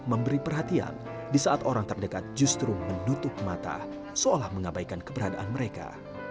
tapi memberi perhatian disaat orang terdekat justru menutup mata seolah mengabaikan keberadaan mereka